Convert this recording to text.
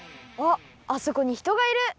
あっあそこにひとがいる。